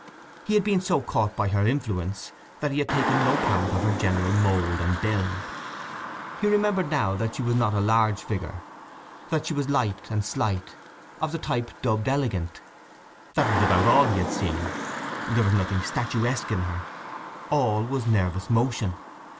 He had been so caught by her influence that he had taken no count of her general mould and build. He remembered now that she was not a large figure, that she was light and slight, of the type dubbed elegant. That was about all he had seen. There was nothing statuesque in her; all was nervous motion.